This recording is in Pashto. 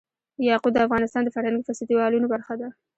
یاقوت د افغانستان د فرهنګي فستیوالونو برخه ده.